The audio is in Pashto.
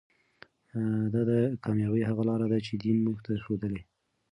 دا د کامیابۍ هغه لاره ده چې دین موږ ته ښودلې.